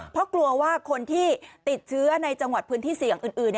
เพราะกลัวว่าคนที่ติดเชื้อในจังหวัดพื้นที่เสี่ยงอื่น